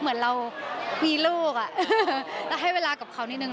เหมือนเรามีลูกเราให้เวลากับเขานิดนึง